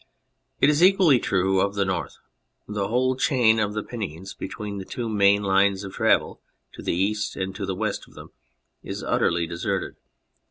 It is equally true of the North ; the whole chain of the Pennines between the two main lines of travel to the east and to the west of them is utterly deserted.